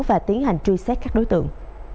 và tiến hành truy xét các đối tượng